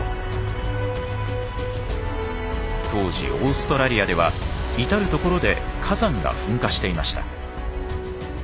当時オーストラリアでは至る所で火山が噴火していました。